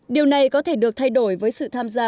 điều này có thể được thay đổi với sự tham gia